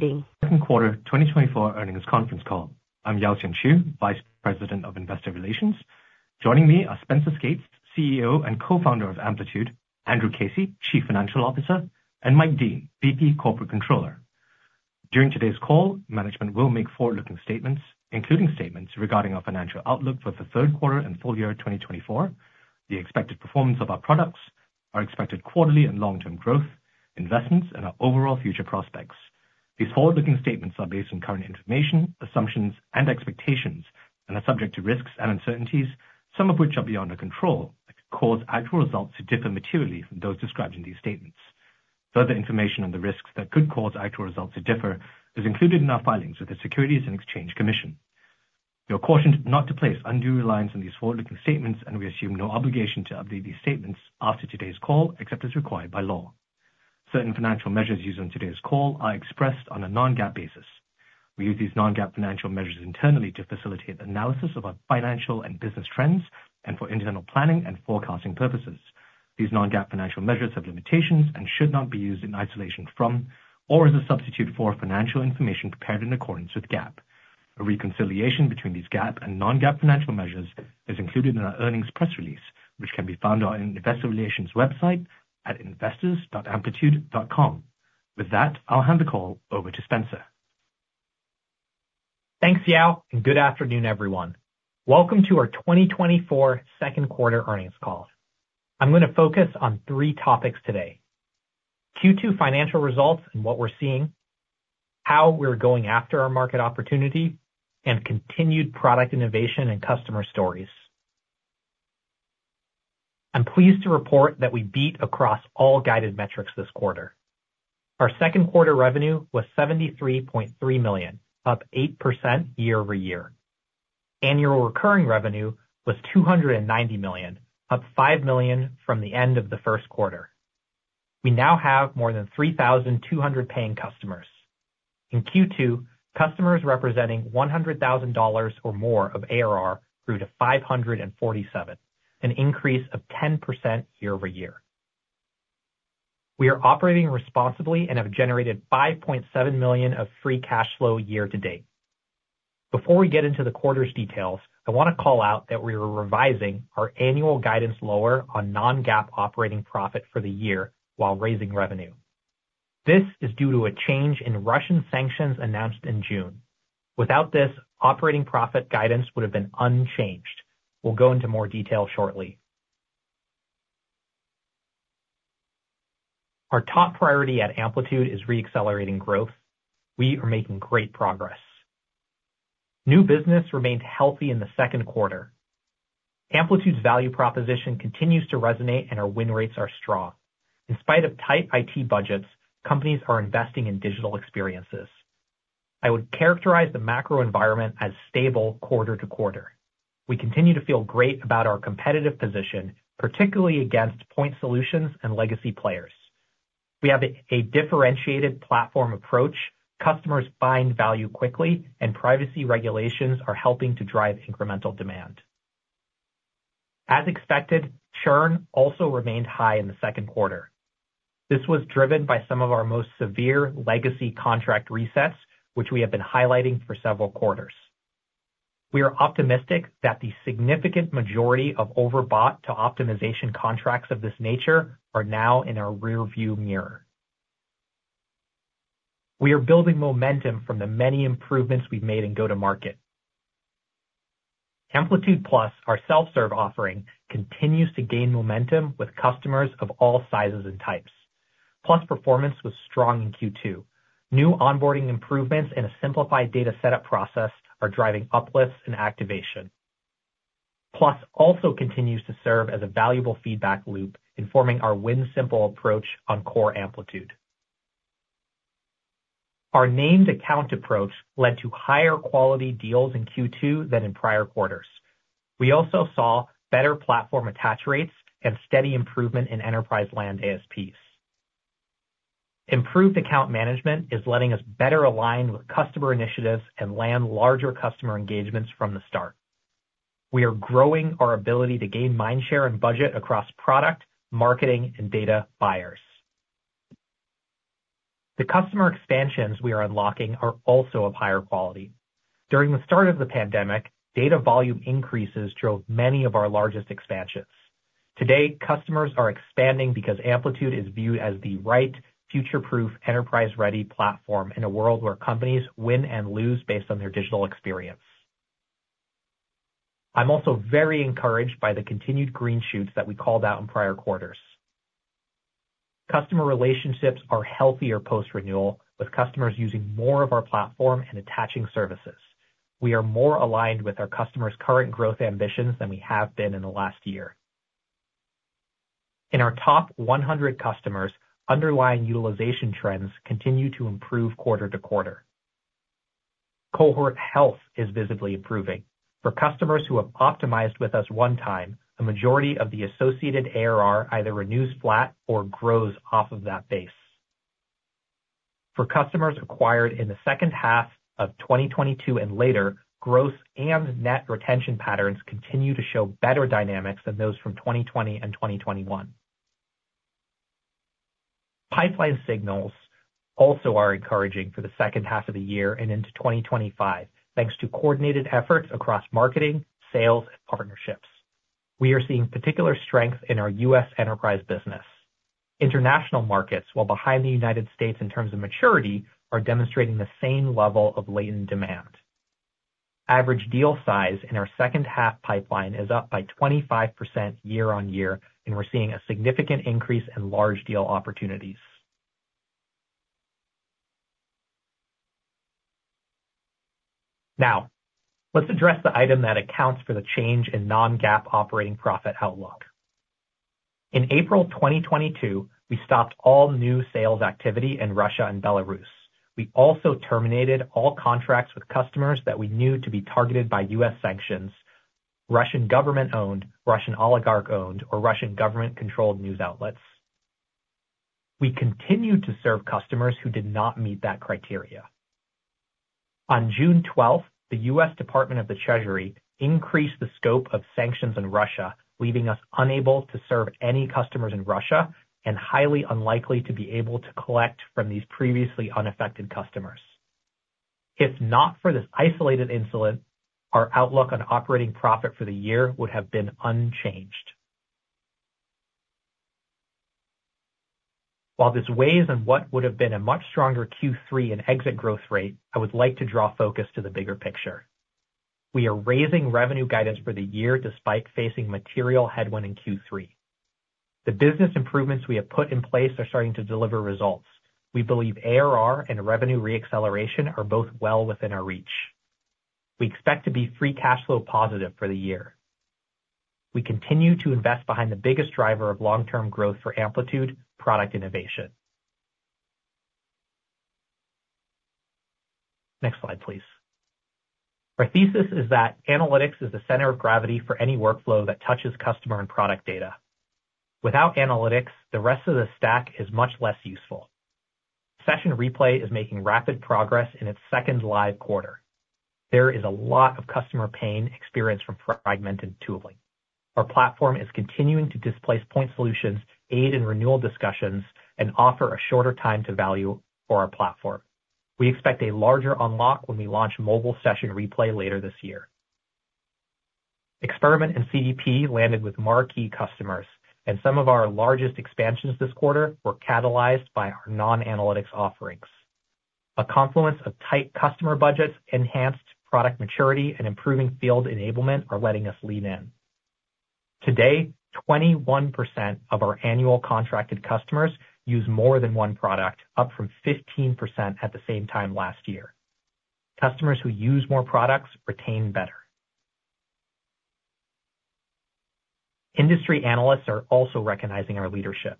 Second Quarter 2024 Earnings Conference Call. I'm Yaoxian Chew, Vice President of Investor Relations. Joining me are Spenser Skates, CEO and Co-founder of Amplitude, Andrew Casey, Chief Financial Officer, and Mike Dean, VP Corporate Controller. During today's call, management will make forward-looking statements, including statements regarding our financial outlook for the third quarter and full year of 2024, the expected performance of our products, our expected quarterly and long-term growth, investments, and our overall future prospects. These forward-looking statements are based on current information, assumptions, and expectations, and are subject to risks and uncertainties, some of which are beyond our control, that could cause actual results to differ materially from those described in these statements. Further information on the risks that could cause actual results to differ is included in our filings with the Securities and Exchange Commission. You are cautioned not to place undue reliance on these forward-looking statements, and we assume no obligation to update these statements after today's call, except as required by law. Certain financial measures used on today's call are expressed on a non-GAAP basis. We use these non-GAAP financial measures internally to facilitate analysis of our financial and business trends and for internal planning and forecasting purposes. These non-GAAP financial measures have limitations and should not be used in isolation from or as a substitute for financial information prepared in accordance with GAAP. A reconciliation between these GAAP and non-GAAP financial measures is included in our earnings press release, which can be found on our Investor Relations website at investors.amplitude.com. With that, I'll hand the call over to Spenser. Thanks, Yao, and good afternoon, everyone. Welcome to our 2024 second quarter earnings call. I'm going to focus on three topics today. Q2 financial results and what we're seeing, how we're going after our market opportunity, and continued product innovation and customer stories. I'm pleased to report that we beat across all guided metrics this quarter. Our second quarter revenue was $73.3 million, up 8% year-over-year. Annual recurring revenue was $290 million, up $5 million from the end of the first quarter. We now have more than 3,200 paying customers. In Q2, customers representing $100,000 or more of ARR grew to 547, an increase of 10% year-over-year. We are operating responsibly and have generated $5.7 million of free cash flow year-to-date. Before we get into the quarter's details, I want to call out that we are revising our annual guidance lower on non-GAAP operating profit for the year while raising revenue. This is due to a change in Russian sanctions announced in June. Without this, operating profit guidance would have been unchanged. We'll go into more detail shortly. Our top priority at Amplitude is reaccelerating growth. We are making great progress. New business remained healthy in the second quarter. Amplitude's value proposition continues to resonate, and our win rates are strong. In spite of tight IT budgets, companies are investing in digital experiences. I would characterize the macro environment as stable quarter-to-quarter. We continue to feel great about our competitive position, particularly against point solutions and legacy players. We have a differentiated platform approach. Customers find value quickly, and privacy regulations are helping to drive incremental demand. As expected, churn also remained high in the second quarter. This was driven by some of our most severe legacy contract resets, which we have been highlighting for several quarters. We are optimistic that the significant majority of overbought to optimization contracts of this nature are now in our rearview mirror. We are building momentum from the many improvements we've made in go-to-market. Amplitude Plus, our self-serve offering, continues to gain momentum with customers of all sizes and types. Plus performance was strong in Q2. New onboarding improvements and a simplified data setup process are driving uplifts and activation. Plus also continues to serve as a valuable feedback loop, informing our win simple approach on core Amplitude. Our named account approach led to higher quality deals in Q2 than in prior quarters. We also saw better platform attach rates and steady improvement in enterprise land ASPs. Improved account management is letting us better align with customer initiatives and land larger customer engagements from the start. We are growing our ability to gain mind share and budget across product, marketing, and data buyers. The customer expansions we are unlocking are also of higher quality. During the start of the pandemic, data volume increases drove many of our largest expansions. Today, customers are expanding because Amplitude is viewed as the right future-proof, enterprise-ready platform in a world where companies win and lose based on their digital experience. I'm also very encouraged by the continued green shoots that we called out in prior quarters. Customer relationships are healthier post-renewal, with customers using more of our platform and attaching services. We are more aligned with our customers' current growth ambitions than we have been in the last year. In our top 100 customers, underlying utilization trends continue to improve quarter-to-quarter. Cohort health is visibly improving. For customers who have optimized with us one time, the majority of the associated ARR either renews flat or grows off of that base. For customers acquired in the second half of 2022 and later, growth and net retention patterns continue to show better dynamics than those from 2020 and 2021. Pipeline signals also are encouraging for the second half of the year and into 2025, thanks to coordinated efforts across marketing, sales, and partnerships. We are seeing particular strength in our U.S. enterprise business. International markets, while behind the United States in terms of maturity, are demonstrating the same level of latent demand. Average deal size in our second half pipeline is up by 25% year-on-year, and we're seeing a significant increase in large deal opportunities. Now, let's address the item that accounts for the change in non-GAAP operating profit outlook. In April 2022, we stopped all new sales activity in Russia and Belarus. We also terminated all contracts with customers that we knew to be targeted by U.S. sanctions, Russian government-owned, Russian oligarch-owned, or Russian government-controlled news outlets. We continued to serve customers who did not meet that criteria. On June 12, the U.S. Department of the Treasury increased the scope of sanctions in Russia, leaving us unable to serve any customers in Russia and highly unlikely to be able to collect from these previously unaffected customers. If not for this isolated incident, our outlook on operating profit for the year would have been unchanged. While this weighs on what would have been a much stronger Q3 and exit growth rate, I would like to draw focus to the bigger picture. We are raising revenue guidance for the year despite facing material headwind in Q3. The business improvements we have put in place are starting to deliver results. We believe ARR and revenue re-acceleration are both well within our reach. We expect to be free cash flow positive for the year. We continue to invest behind the biggest driver of long-term growth for Amplitude, product innovation. Next slide, please. Our thesis is that analytics is the center of gravity for any workflow that touches customer and product data. Without analytics, the rest of the stack is much less useful. Session Replay is making rapid progress in its second live quarter. There is a lot of customer pain experienced from fragmented tooling. Our platform is continuing to displace point solutions, aid in renewal discussions, and offer a shorter time to value for our platform. We expect a larger unlock when we launch mobile session replay later this year. Experiment and CDP landed with marquee customers, and some of our largest expansions this quarter were catalyzed by our non-analytics offerings. A confluence of tight customer budgets, enhanced product maturity, and improving field enablement are letting us lean in. Today, 21% of our annual contracted customers use more than one product, up from 15% at the same time last year. Customers who use more products retain better. Industry analysts are also recognizing our leadership.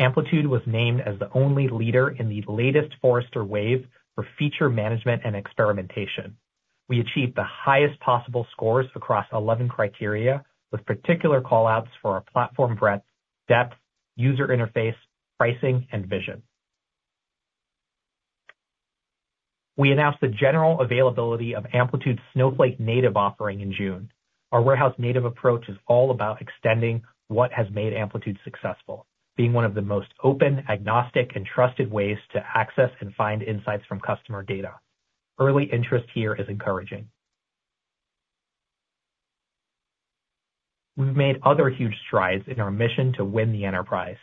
Amplitude was named as the only leader in the latest Forrester Wave for feature management and experimentation. We achieved the highest possible scores across 11 criteria, with particular call-outs for our platform breadth, depth, user interface, pricing, and vision. We announced the general availability of Amplitude Snowflake native offering in June. Our warehouse-native approach is all about extending what has made Amplitude successful, being one of the most open, agnostic, and trusted ways to access and find insights from customer data. Early interest here is encouraging. We've made other huge strides in our mission to win the enterprise.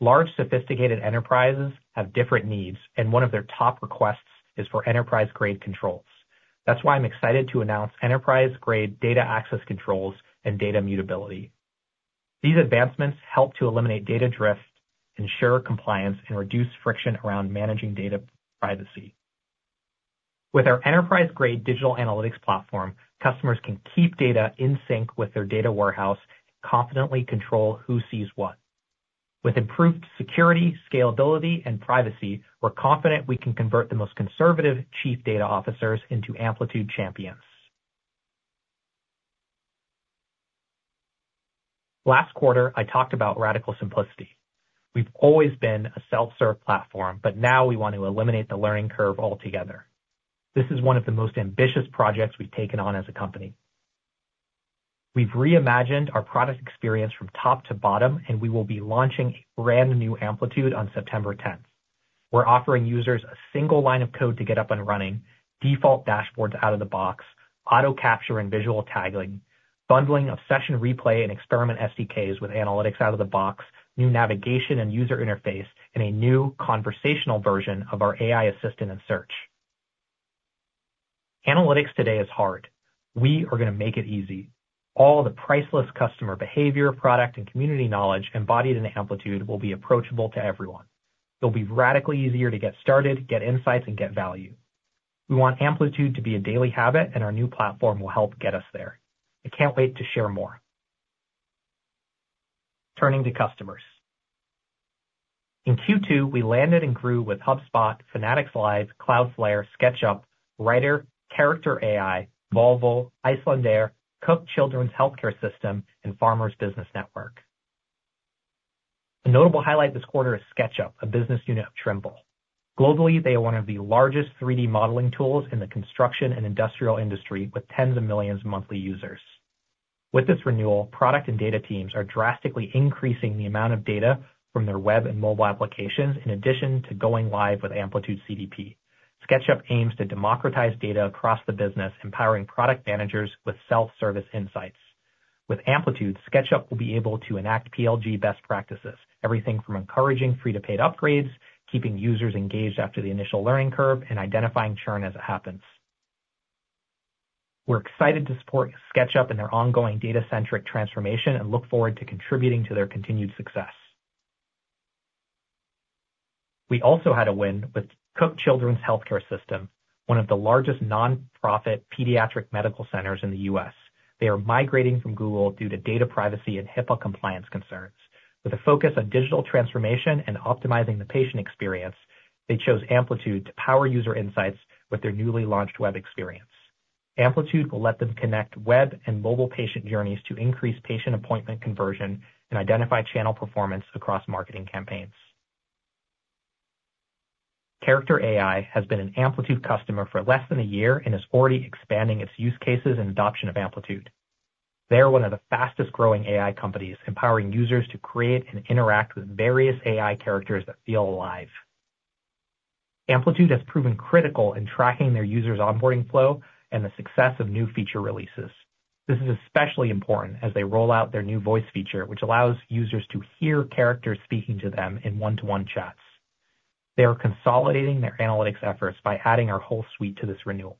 Large, sophisticated enterprises have different needs, and one of their top requests is for enterprise-grade controls. That's why I'm excited to announce enterprise-grade data access controls and data mutability. These advancements help to eliminate data drift, ensure compliance, and reduce friction around managing data privacy. With our enterprise-grade digital analytics platform, customers can keep data in sync with their data warehouse and confidently control who sees what. With improved security, scalability, and privacy, we're confident we can convert the most conservative chief data officers into Amplitude champions. Last quarter, I talked about radical simplicity. We've always been a self-serve platform, but now we want to eliminate the learning curve altogether. This is one of the most ambitious projects we've taken on as a company. We've reimagined our product experience from top to bottom, and we will be launching a brand-new Amplitude on September 10th. We're offering users a single line of code to get up and running, default dashboards out of the box, auto capture and visual tagging, bundling of session replay and experiment SDKs with analytics out of the box, new navigation and user interface, and a new conversational version of our AI assistant and search. Analytics today is hard. We are gonna make it easy. All the priceless customer behavior, product, and community knowledge embodied in Amplitude will be approachable to everyone. It'll be radically easier to get started, get insights, and get value. We want Amplitude to be a daily habit, and our new platform will help get us there. I can't wait to share more. Turning to customers. In Q2, we landed and grew with HubSpot, Fanatics Live, Cloudflare, SketchUp, Writer, Character.AI, Volvo, Icelandair, Cook Children's Health Care System, and Farmers Business Network. A notable highlight this quarter is SketchUp, a business unit of Trimble. Globally, they are one of the largest 3D modeling tools in the construction and industrial industry, with tens of millions of monthly users. With this renewal, product and data teams are drastically increasing the amount of data from their web and mobile applications, in addition to going live with Amplitude CDP. SketchUp aims to democratize data across the business, empowering product managers with self-service insights. With Amplitude, SketchUp will be able to enact PLG best practices, everything from encouraging free-to-paid upgrades, keeping users engaged after the initial learning curve, and identifying churn as it happens. We're excited to support SketchUp in their ongoing data-centric transformation and look forward to contributing to their continued success. We also had a win with Cook Children's Health Care System, one of the largest nonprofit pediatric medical centers in the U.S. They are migrating from Google due to data privacy and HIPAA compliance concerns. With a focus on digital transformation and optimizing the patient experience, they chose Amplitude to power user insights with their newly launched web experience. Amplitude will let them connect web and mobile patient journeys to increase patient appointment conversion and identify channel performance across marketing campaigns. Character.AI has been an Amplitude customer for less than a year and is already expanding its use cases and adoption of Amplitude. They are one of the fastest growing AI companies, empowering users to create and interact with various AI characters that feel alive. Amplitude has proven critical in tracking their users' onboarding flow and the success of new feature releases. This is especially important as they roll out their new voice feature, which allows users to hear characters speaking to them in one-to-one chats. They are consolidating their analytics efforts by adding our whole suite to this renewal.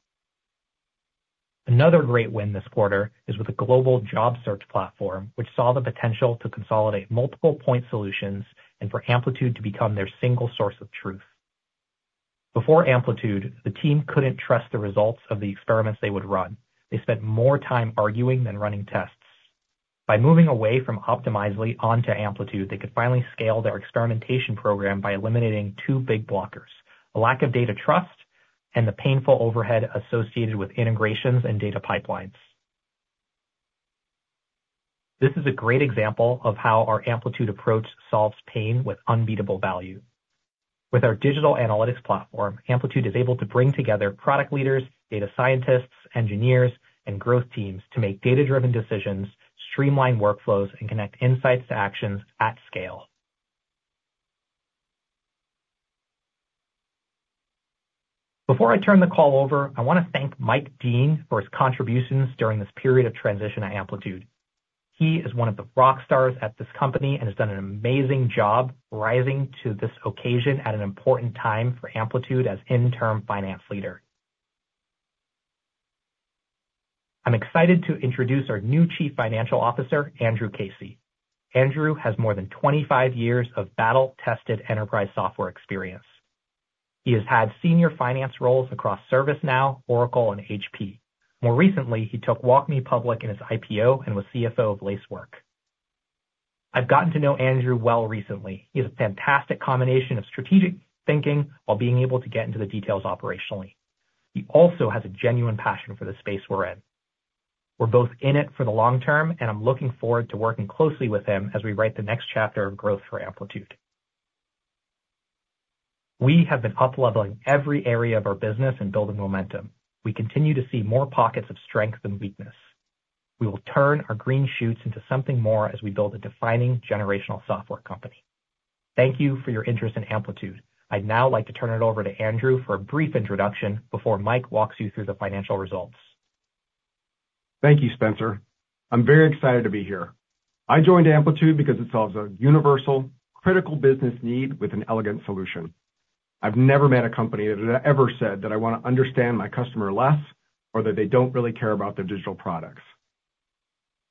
Another great win this quarter is with a global job search platform, which saw the potential to consolidate multiple point solutions and for Amplitude to become their single source of truth. Before Amplitude, the team couldn't trust the results of the experiments they would run. They spent more time arguing than running tests. By moving away from Optimizely onto Amplitude, they could finally scale their experimentation program by eliminating two big blockers, a lack of data trust and the painful overhead associated with integrations and data pipelines. This is a great example of how our Amplitude approach solves pain with unbeatable value. With our digital analytics platform, Amplitude is able to bring together product leaders, data scientists, engineers, and growth teams to make data-driven decisions, streamline workflows, and connect insights to actions at scale. Before I turn the call over, I want to thank Mike Dean for his contributions during this period of transition at Amplitude. He is one of the rock stars at this company and has done an amazing job rising to this occasion at an important time for Amplitude as interim finance leader. I'm excited to introduce our new Chief Financial Officer, Andrew Casey. Andrew has more than 25 years of battle-tested enterprise software experience. He has had senior finance roles across ServiceNow, Oracle, and HP. More recently, he took WalkMe public in his IPO and was CFO of Lacework. I've gotten to know Andrew well recently. He has a fantastic combination of strategic thinking while being able to get into the details operationally. He also has a genuine passion for the space we're in. We're both in it for the long term, and I'm looking forward to working closely with him as we write the next chapter of growth for Amplitude. We have been up-leveling every area of our business and building momentum. We continue to see more pockets of strength than weakness. We will turn our green shoots into something more as we build a defining generational software company. Thank you for your interest in Amplitude. I'd now like to turn it over to Andrew for a brief introduction before Mike walks you through the financial results. Thank you, Spenser. I'm very excited to be here. I joined Amplitude because it solves a universal, critical business need with an elegant solution. I've never met a company that has ever said that I want to understand my customer less, or that they don't really care about their digital products.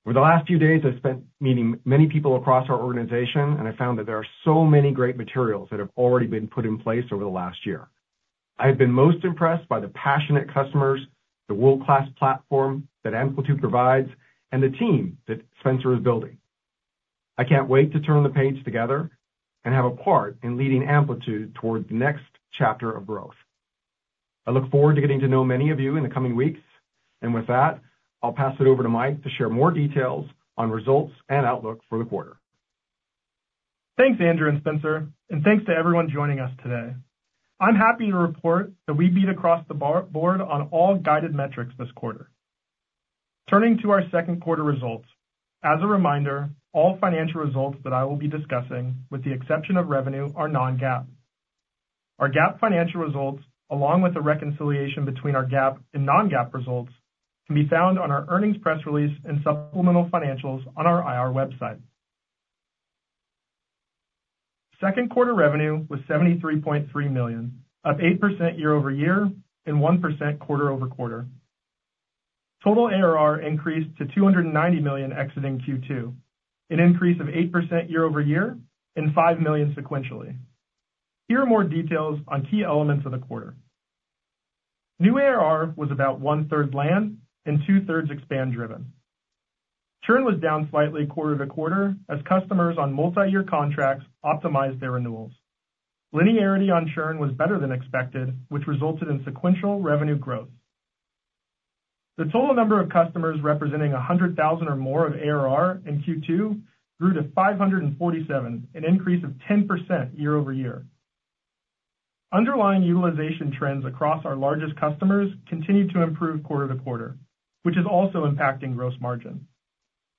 Over the last few days, I've spent meeting many people across our organization, and I found that there are so many great materials that have already been put in place over the last year. I've been most impressed by the passionate customers, the world-class platform that Amplitude provides, and the team that Spenser is building. I can't wait to turn the page together and have a part in leading Amplitude towards the next chapter of growth. I look forward to getting to know many of you in the coming weeks. With that, I'll pass it over to Mike to share more details on results and outlook for the quarter. Thanks, Andrew and Spenser, and thanks to everyone joining us today. I'm happy to report that we beat across the board on all guided metrics this quarter. Turning to our second quarter results, as a reminder, all financial results that I will be discussing, with the exception of revenue, are non-GAAP. Our GAAP financial results, along with the reconciliation between our GAAP and non-GAAP results, can be found on our earnings press release and supplemental financials on our IR website. Second quarter revenue was $73.3 million, up 8% year-over-year and 1% quarter-over-quarter. Total ARR increased to $290 million exiting Q2, an increase of 8% year-over-year and $5 million sequentially. Here are more details on key elements of the quarter. New ARR was about 1/3 land and 2/3 expand driven. Churn was down slightly quarter-over-quarter as customers on multiyear contracts optimized their renewals. Linearity on churn was better than expected, which resulted in sequential revenue growth. The total number of customers representing $100,000 or more of ARR in Q2 grew to 547, an increase of 10% year-over-year. Underlying utilization trends across our largest customers continued to improve quarter-over-quarter, which is also impacting gross margin.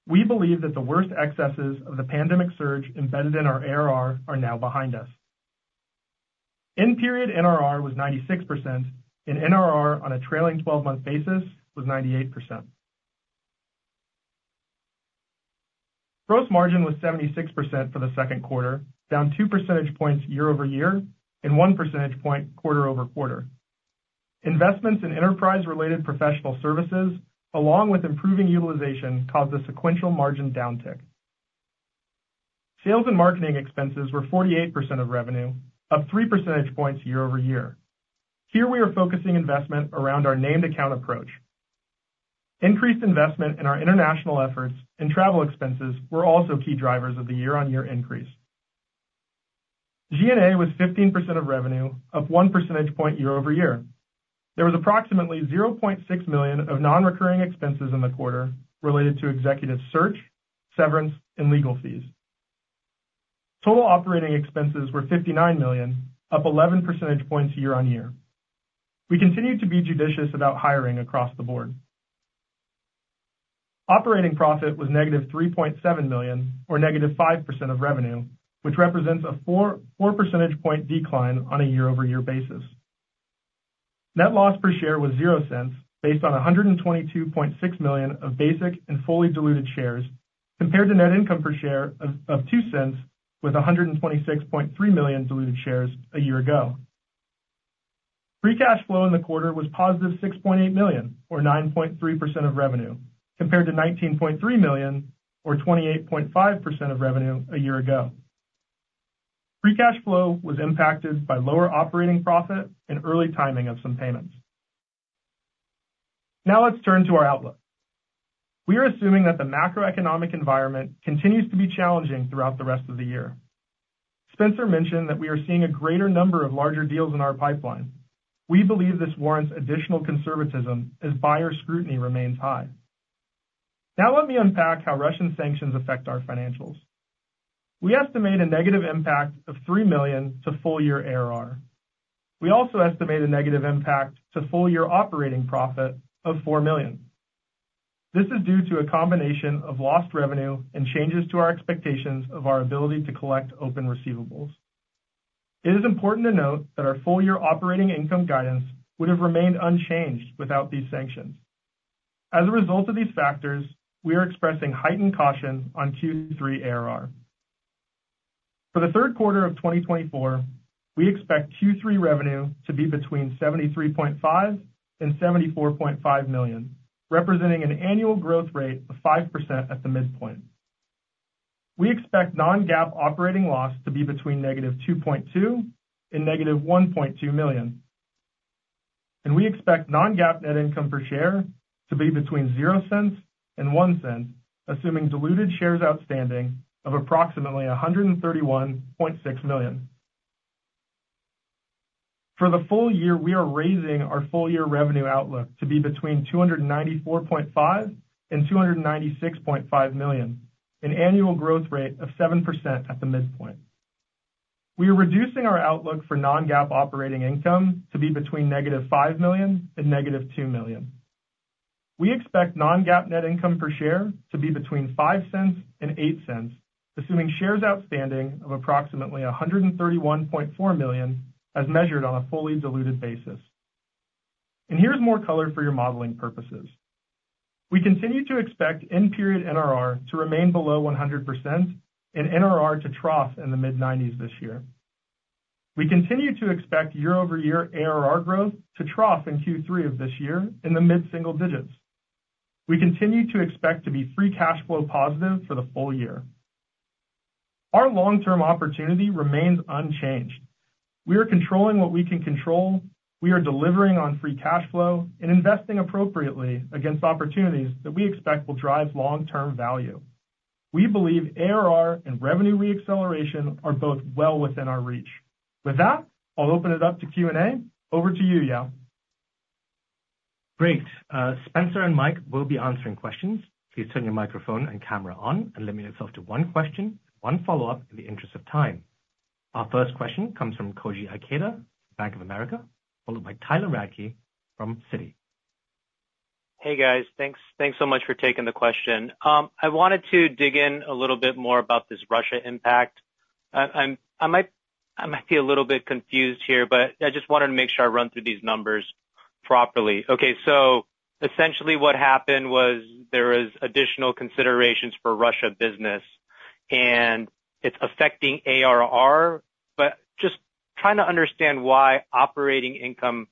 We believe that the worst excesses of the pandemic surge embedded in our ARR are now behind us. In period, NRR was 96%, and NRR on a trailing 12-month basis was 98%. Gross margin was 76% for the second quarter, down 2 percentage points year-over-year and 1 percentage point quarter-over-quarter. Investments in enterprise-related professional services, along with improving utilization, caused a sequential margin downtick. Sales and marketing expenses were 48% of revenue, up 3 percentage points year-over-year. Here, we are focusing investment around our named account approach. Increased investment in our international efforts and travel expenses were also key drivers of the year-on-year increase. G&A was 15% of revenue, up 1 percentage point year-over-year. There was approximately $0.6 million of non-recurring expenses in the quarter related to executive search, severance, and legal fees. Total operating expenses were $59 million, up 11 percentage points year-on-year. We continued to be judicious about hiring across the board. Operating profit was -$3.7 million, or -5% of revenue, which represents a 4 percentage point decline on a year-over-year basis. Net loss per share was $0.00, based on 122.6 million basic and fully diluted shares, compared to net income per share of $0.02, with 126.3 million diluted shares a year ago. Free cash flow in the quarter was positive $6.8 million, or 9.3% of revenue, compared to $19.3 million, or 28.5% of revenue a year ago. Free cash flow was impacted by lower operating profit and early timing of some payments. Now let's turn to our outlook. We are assuming that the macroeconomic environment continues to be challenging throughout the rest of the year. Spenser mentioned that we are seeing a greater number of larger deals in our pipeline. We believe this warrants additional conservatism as buyer scrutiny remains high. Now let me unpack how Russian sanctions affect our financials. We estimate a negative impact of $3 million to full year ARR. We also estimate a negative impact to full year operating profit of $4 million. This is due to a combination of lost revenue and changes to our expectations of our ability to collect open receivables. It is important to note that our full year operating income guidance would have remained unchanged without these sanctions. As a result of these factors, we are expressing heightened caution on Q3 ARR. For the third quarter of 2024, we expect Q3 revenue to be between $73.5 million and $74.5 million, representing an annual growth rate of 5% at the midpoint. We expect non-GAAP operating loss to be between -$2.2 million and -$1.2 million. We expect non-GAAP net income per share to be between $0.00 and $0.01, assuming diluted shares outstanding of approximately 131.6 million. For the full year, we are raising our full year revenue outlook to be between $294.5 million and $296.5 million, an annual growth rate of 7% at the midpoint. We are reducing our outlook for non-GAAP operating income to be between -$5 million and -$2 million. We expect non-GAAP net income per share to be between $0.05 and $0.08, assuming shares outstanding of approximately 131.4 million, as measured on a fully diluted basis. Here's more color for your modeling purposes. We continue to expect end-period NRR to remain below 100% and NRR to trough in the mid-90s this year. We continue to expect year-over-year ARR growth to trough in Q3 of this year in the mid-single digits. We continue to expect to be free cash flow positive for the full year. Our long-term opportunity remains unchanged. We are controlling what we can control. We are delivering on free cash flow and investing appropriately against opportunities that we expect will drive long-term value. We believe ARR and revenue re-acceleration are both well within our reach. With that, I'll open it up to Q&A. Over to you, Yao. Great. Spenser and Mike will be answering questions. Please turn your microphone and camera on and limit yourself to one question, one follow-up, in the interest of time. Our first question comes from Koji Ikeda, Bank of America, followed by Tyler Radke from Citi. Hey, guys. Thanks so much for taking the question. I wanted to dig in a little bit more about this Russia impact. I'm a little bit confused here, but I just wanted to make sure I run through these numbers properly. Okay, so essentially what happened was there was additional considerations for Russia business, and it's affecting ARR, but just trying to understand why operating income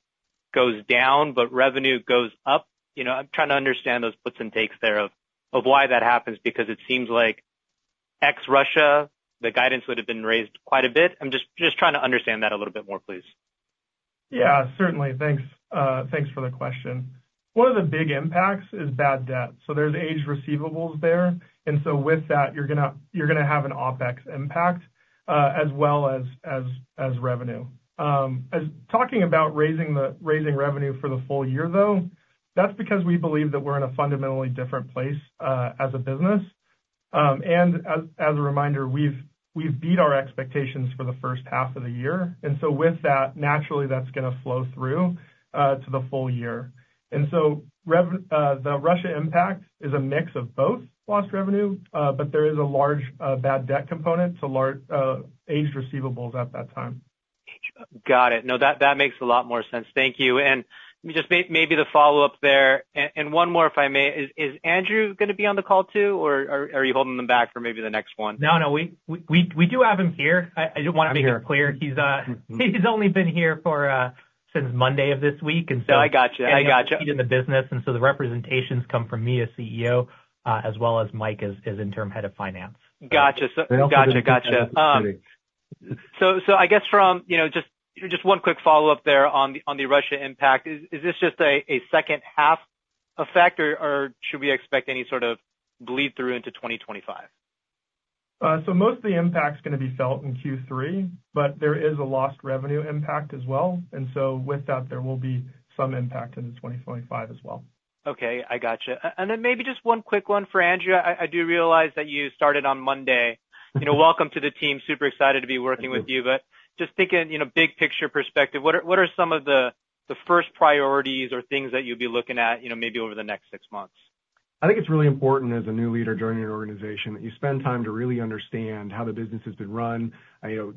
goes down, but revenue goes up. You know, I'm trying to understand those puts and takes there of why that happens, because it seems like ex-Russia, the guidance would have been raised quite a bit. I'm just trying to understand that a little bit more, please. Yeah, certainly. Thanks for the question. One of the big impacts is bad debt, so there's aged receivables there, and so with that, you're gonna have an OpEx impact, as well as revenue. As talking about raising revenue for the full year, though, that's because we believe that we're in a fundamentally different place as a business. And as a reminder, we've beat our expectations for the first half of the year, and so with that, naturally, that's gonna flow through to the full year. And so the Russia impact is a mix of both lost revenue, but there is a large bad debt component, to aged receivables at that time. Got it. No, that makes a lot more sense. Thank you. And just maybe the follow-up there, and one more, if I may. Is Andrew gonna be on the call too, or are you holding him back for maybe the next one? No, no, we do have him here. I just wanna make it clear. He's only been here since Monday of this week, and so- No, I got you. I got you. in the business, and so the representations come from me as CEO, as well as Mike, as Interim Head of Finance. Gotcha. So gotcha. I guess from, you know, just one quick follow-up there on the Russia impact. Is this just a second half effect, or should we expect any sort of bleed through into 2025? So most of the impact's gonna be felt in Q3, but there is a lost revenue impact as well. And so with that, there will be some impact into 2025 as well. Okay, I gotcha. And then maybe just one quick one for Andrew. I do realize that you started on Monday. You know, welcome to the team, super excited to be working with you. Thank you. Just thinking, you know, big picture perspective, what are some of the first priorities or things that you'll be looking at, you know, maybe over the next six months? I think it's really important as a new leader joining an organization, that you spend time to really understand how the business has been run. I know,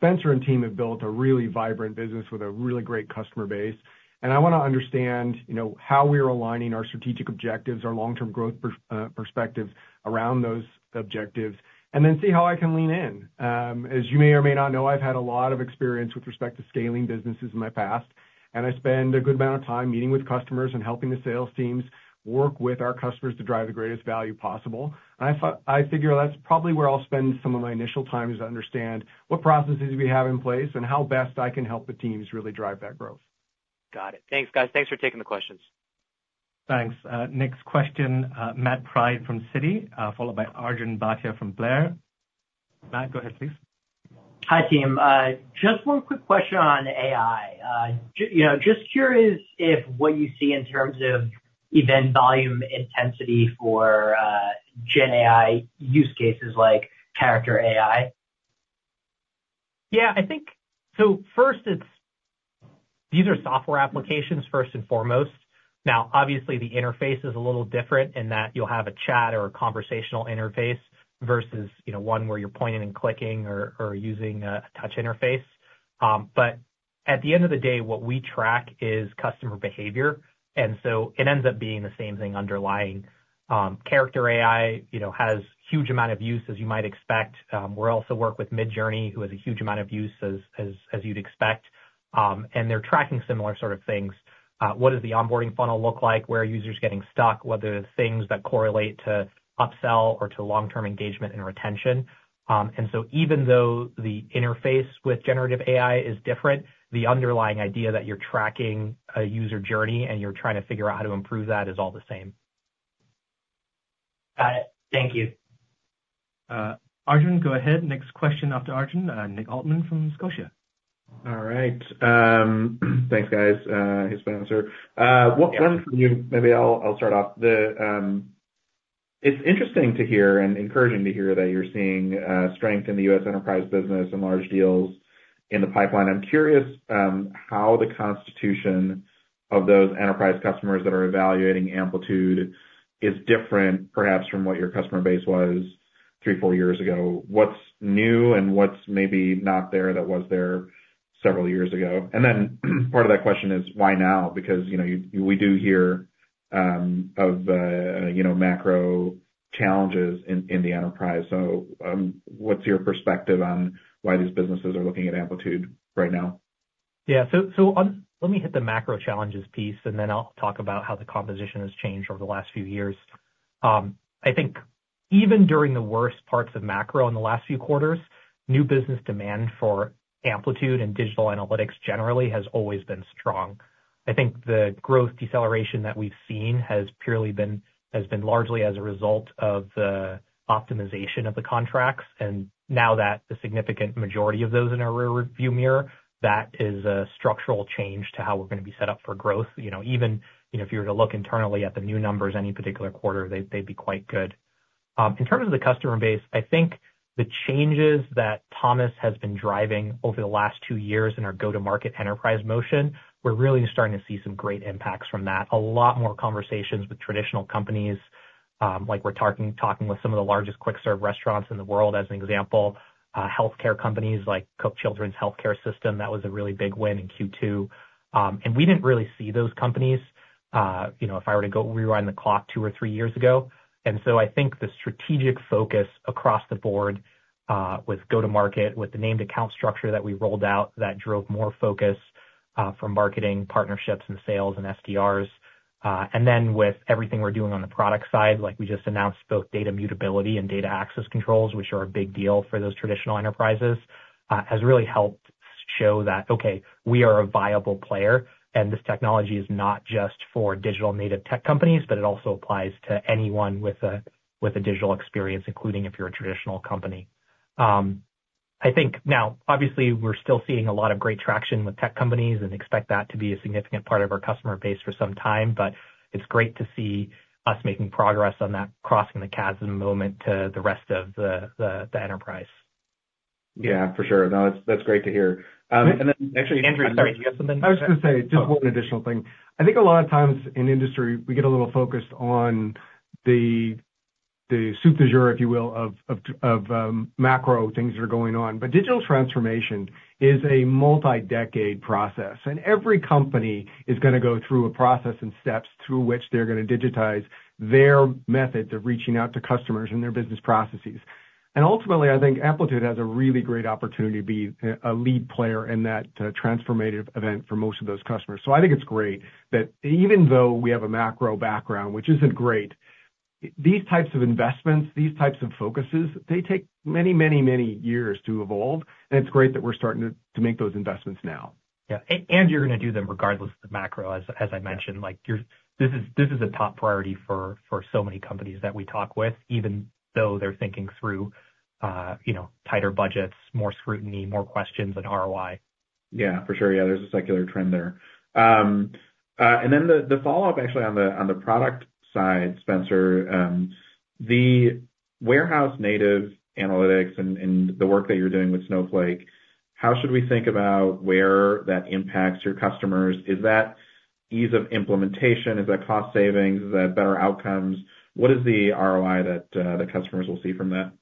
Spenser and team have built a really vibrant business with a really great customer base, and I wanna understand, you know, how we are aligning our strategic objectives, our long-term growth perspective around those objectives, and then see how I can lean in. As you may or may not know, I've had a lot of experience with respect to scaling businesses in my past, and I spend a good amount of time meeting with customers and helping the sales teams work with our customers to drive the greatest value possible. I figure that's probably where I'll spend some of my initial time, is to understand what processes we have in place and how best I can help the teams really drive that growth. Got it. Thanks, guys. Thanks for taking the questions. Thanks. Next question, Matt Pryde from Citi, followed by Arjun Bhatia from Blair. Matt, go ahead, please. Hi, team. Just one quick question on AI. You know, just curious if what you see in terms of event volume intensity for GenAI use cases like Character.AI? Yeah, I think. So first, it's these are software applications first and foremost. Now, obviously, the interface is a little different in that you'll have a chat or a conversational interface versus, you know, one where you're pointing and clicking or using a touch interface. But at the end of the day, what we track is customer behavior, and so it ends up being the same thing underlying. Character.AI, you know, has huge amount of use, as you might expect. We're also work with Midjourney, who has a huge amount of use, as you'd expect. And they're tracking similar sort of things. What does the onboarding funnel look like? Where are users getting stuck? What are the things that correlate to upsell or to long-term engagement and retention? Even though the interface with Generative AI is different, the underlying idea that you're tracking a user journey and you're trying to figure out how to improve that, is all the same. Got it. Thank you. Arjun, go ahead. Next question after Arjun, Nick Altmann from Scotia. All right. Thanks, guys, hey, Spenser. One for you. Maybe I'll start off. It's interesting to hear and encouraging to hear that you're seeing strength in the U.S. enterprise business and large deals in the pipeline. I'm curious how the constitution of those enterprise customers that are evaluating Amplitude is different, perhaps, from what your customer base was three, four years ago. What's new and what's maybe not there, that was there several years ago? And then, part of that question is why now? Because, you know, we do hear of macro challenges in the enterprise. So, what's your perspective on why these businesses are looking at Amplitude right now? Yeah. So, let me hit the macro challenges piece, and then I'll talk about how the composition has changed over the last few years. I think even during the worst parts of macro in the last few quarters, new business demand for Amplitude and digital analytics generally has always been strong. I think the growth deceleration that we've seen has been largely as a result of the optimization of the contracts, and now that the significant majority of those in our rear view mirror, that is a structural change to how we're gonna be set up for growth. You know, even if you were to look internally at the new numbers, any particular quarter, they'd be quite good. In terms of the customer base, I think the changes that Thomas has been driving over the last two years in our go-to-market enterprise motion, we're really starting to see some great impacts from that. A lot more conversations with traditional companies, like we're talking with some of the largest quick serve restaurants in the world, as an example. Healthcare companies like Cook Children's Health Care System, that was a really big win in Q2. And we didn't really see those companies, you know, if I were to go rewind the clock two or three years ago. So I think the strategic focus across the board, with go-to-market, with the named account structure that we rolled out, that drove more focus, from marketing partnerships and sales and SDRs. And then with everything we're doing on the product side, like we just announced, both data mutability and data access controls, which are a big deal for those traditional enterprises, has really helped show that, okay, we are a viable player, and this technology is not just for digital native tech companies, but it also applies to anyone with a digital experience, including if you're a traditional company. I think now, obviously, we're still seeing a lot of great traction with tech companies and expect that to be a significant part of our customer base for some time, but it's great to see us making progress on that, crossing the chasm moment to the rest of the enterprise. Yeah, for sure. No, that's great to hear. And then actually— Andrew, sorry, do you have something to say? I was just gonna say just one additional thing. I think a lot of times in industry, we get a little focused on the soup du jour, if you will, of macro things that are going on. But digital transformation is a multi-decade process, and every company is gonna go through a process and steps through which they're gonna digitize their method of reaching out to customers and their business processes. And ultimately, I think Amplitude has a really great opportunity to be a lead player in that transformative event for most of those customers. So I think it's great that even though we have a macro background, which isn't great, these types of investments, these types of focuses, they take many, many, many years to evolve, and it's great that we're starting to make those investments now. Yeah. And you're gonna do them regardless of the macro, as I mentioned. Like, you're, this is, this is a top priority for so many companies that we talk with, even though they're thinking through, you know, tighter budgets, more scrutiny, more questions and ROI. Yeah, for sure. Yeah, there's a secular trend there. And then the follow-up, actually, on the product side, Spenser, the warehouse native analytics and the work that you're doing with Snowflake, how should we think about where that impacts your customers? Is that ease of implementation? Is that cost savings? Is that better outcomes? What is the ROI that the customers will see from that?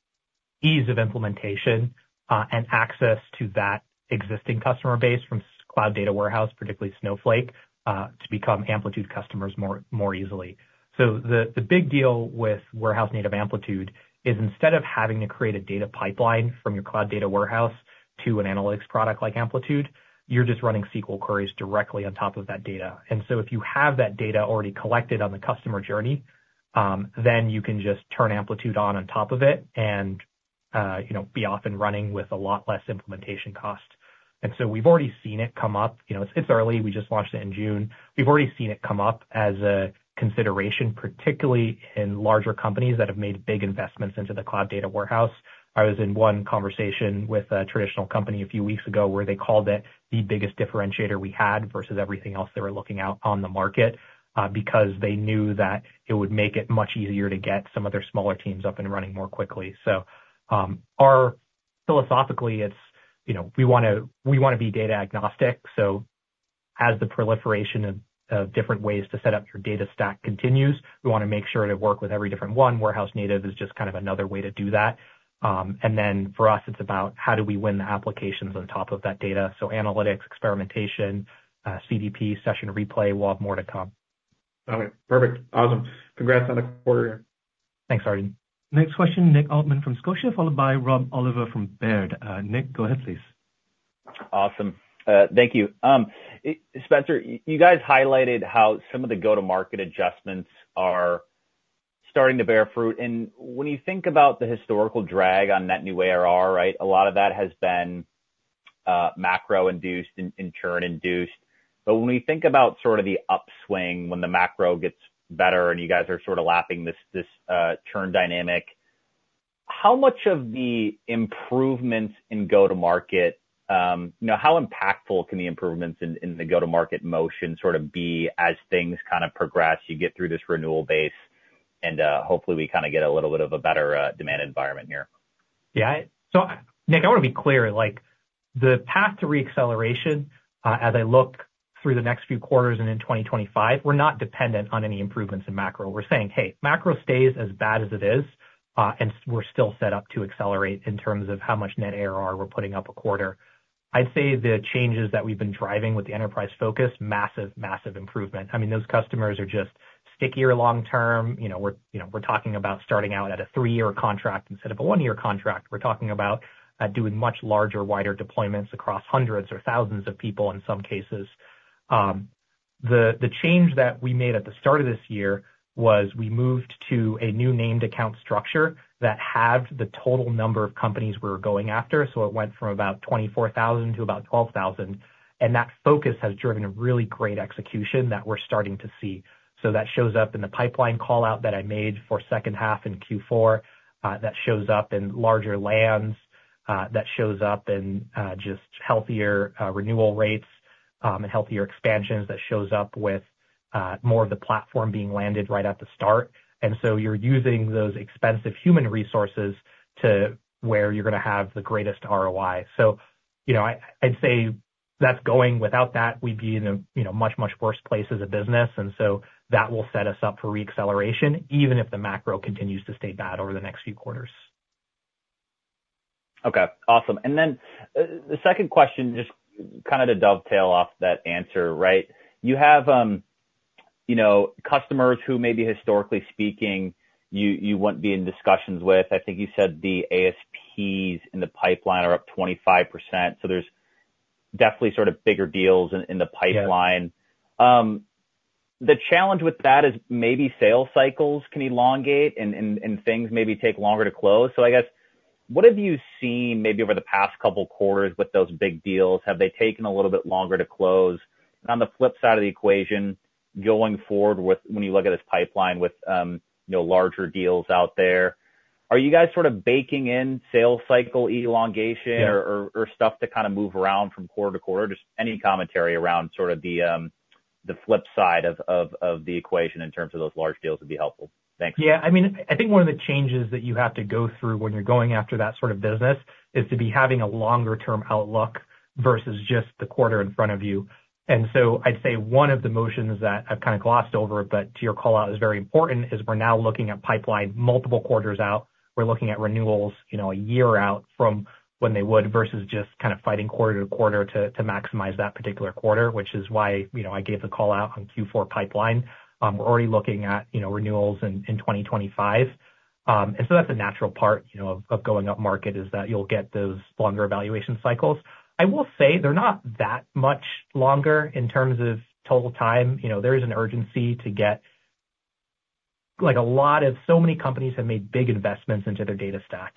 Ease of implementation and access to that existing customer base from cloud data warehouse, particularly Snowflake, to become Amplitude customers more easily. So the big deal with warehouse-native Amplitude is instead of having to create a data pipeline from your cloud data warehouse to an analytics product like Amplitude, you're just running SQL queries directly on top of that data. And so if you have that data already collected on the customer journey, then you can just turn Amplitude on on top of it and, you know, be off and running with a lot less implementation cost. And so we've already seen it come up. You know, it's early. We just launched it in June. We've already seen it come up as a consideration, particularly in larger companies that have made big investments into the cloud data warehouse. I was in one conversation with a traditional company a few weeks ago, where they called it the biggest differentiator we had versus everything else they were looking out on the market, because they knew that it would make it much easier to get some of their smaller teams up and running more quickly. So, philosophically, it's, you know, we wanna, we wanna be data agnostic, so as the proliferation of different ways to set up your data stack continues, we wanna make sure to work with every different one. Warehouse-native is just kind of another way to do that. And then for us, it's about how do we win the applications on top of that data? So analytics, experimentation, CDP, Session Replay, we'll have more to come. Got it. Perfect. Awesome. Congrats on the quarter. Thanks, Arjun. Next question, Nick Altmann from Scotia, followed by Rob Oliver from Baird. Nick, go ahead, please. Awesome. Thank you. Spenser, you guys highlighted how some of the go-to-market adjustments are starting to bear fruit. And when you think about the historical drag on net new ARR, right, a lot of that has been macro-induced and churn-induced. But when we think about sort of the upswing, when the macro gets better and you guys are sort of lapping this churn dynamic, how much of the improvements in go-to-market, you know, how impactful can the improvements in the go-to-market motion sort of be as things kind of progress, you get through this renewal base, and hopefully, we kind of get a little bit of a better demand environment here? Yeah. So Nick, I wanna be clear, like, the path to reacceleration, as I look through the next few quarters and in 2025, we're not dependent on any improvements in macro. We're saying, "Hey, macro stays as bad as it is, and we're still set up to accelerate in terms of how much net ARR we're putting up a quarter." I'd say the changes that we've been driving with the enterprise focus, massive, massive improvement. I mean, those customers are just stickier long term. You know, we're talking about starting out at a three-year contract instead of a one-year contract. We're talking about doing much larger, wider deployments across hundreds or thousands of people in some cases. The change that we made at the start of this year was we moved to a new named account structure that halved the total number of companies we were going after, so it went from about 24,000 to about 12,000, and that focus has driven a really great execution that we're starting to see. So that shows up in the pipeline call-out that I made for second half in Q4. That shows up in larger lands. That shows up in just healthier renewal rates, and healthier expansions. That shows up with more of the platform being landed right at the start. And so you're using those expensive human resources to where you're gonna have the greatest ROI. So, you know, I'd say that's going. Without that, we'd be in a, you know, much, much worse place as a business, and so that will set us up for reacceleration, even if the macro continues to stay bad over the next few quarters. Okay, awesome. And then, the second question, just kind of to dovetail off that answer, right? You have, you know, customers who may be historically speaking, you wouldn't be in discussions with. I think you said the ASPs in the pipeline are up 25%, so there's definitely sort of bigger deals in the pipeline. The challenge with that is maybe sales cycles can elongate and things maybe take longer to close. So I guess, what have you seen maybe over the past couple quarters with those big deals? Have they taken a little bit longer to close? On the flip side of the equation, going forward with, when you look at this pipeline with, you know, larger deals out there, are you guys sort of baking in sales cycle elongation or stuff to kind of move around from quarter-to-quarter? Just any commentary around sort of the flip side of the equation in terms of those large deals would be helpful. Thanks. Yeah. I mean, I think one of the changes that you have to go through when you're going after that sort of business is to be having a longer term outlook versus just the quarter in front of you. And so I'd say one of the motions that I've kind of glossed over, but to your call-out, is very important, is we're now looking at pipeline multiple quarters out. We're looking at renewals, you know, a year out from when they would, versus just kind of fighting quarter-to-quarter to maximize that particular quarter, which is why, you know, I gave the call-out on Q4 pipeline. We're already looking at, you know, renewals in 2025. And so that's a natural part, you know, of going upmarket, is that you'll get those longer evaluation cycles. I will say they're not that much longer in terms of total time. You know, there is an urgency to get like, so many companies have made big investments into their data stack,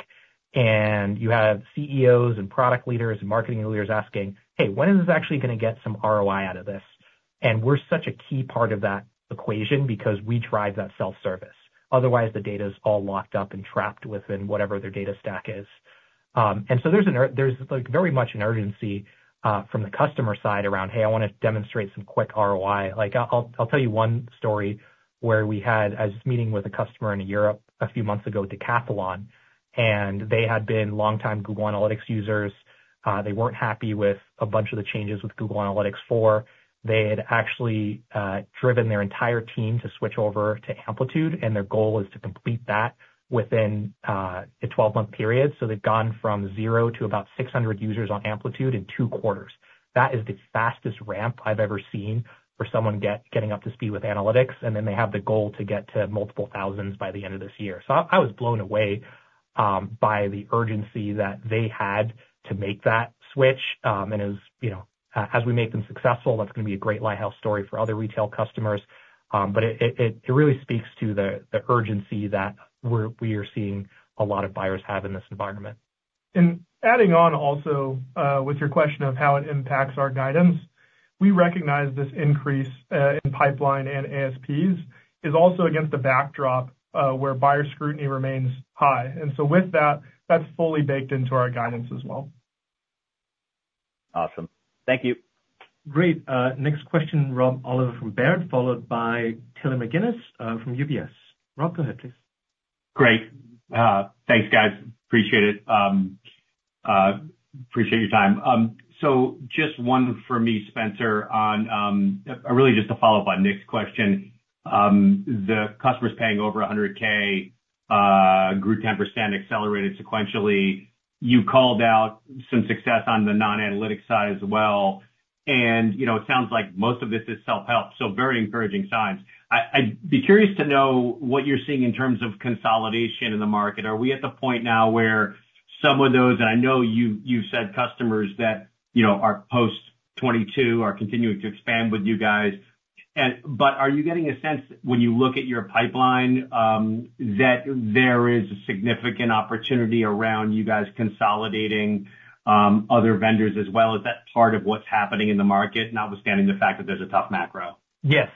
and you have CEOs and product leaders and marketing leaders asking, "Hey, when is this actually gonna get some ROI out of this?" And we're such a key part of that equation because we drive that self-service. Otherwise, the data is all locked up and trapped within whatever their data stack is. And so there's, like, very much an urgency from the customer side around, "Hey, I wanna demonstrate some quick ROI." Like, I'll tell you one story. I was just meeting with a customer in Europe a few months ago, Decathlon, and they had been longtime Google Analytics users. They weren't happy with a bunch of the changes with Google Analytics 4. They had actually driven their entire team to switch over to Amplitude, and their goal is to complete that within a 12-month period. So they've gone from zero to about 600 users on Amplitude in two quarters. That is the fastest ramp I've ever seen for someone getting up to speed with analytics, and then they have the goal to get to multiple thousands by the end of this year. So I was blown away by the urgency that they had to make that switch. And as you know, as we make them successful, that's gonna be a great lighthouse story for other retail customers. But it really speaks to the urgency that we are seeing a lot of buyers have in this environment. Adding on also, with your question of how it impacts our guidance, we recognize this increase in pipeline and ASPs is also against the backdrop where buyer scrutiny remains high. And so with that, that's fully baked into our guidance as well. Awesome. Thank you. Great. Next question, Rob Oliver from Baird, followed by Taylor McGinnis, from UBS. Rob, go ahead, please. Great. Thanks, guys. Appreciate it. Appreciate your time. So just one for me, Spenser, on, really just a follow-up on Nick's question. The customers paying over $100K grew 10%, accelerated sequentially. You called out some success on the non-analytic side as well. And, you know, it sounds like most of this is self-help, so very encouraging signs. I'd be curious to know what you're seeing in terms of consolidation in the market. Are we at the point now where some of those, and I know you've said customers that, you know, are post-2022, are continuing to expand with you guys. But are you getting a sense when you look at your pipeline, that there is significant opportunity around you guys consolidating other vendors as well? Is that part of what's happening in the market, notwithstanding the fact that there's a tough macro? Yes,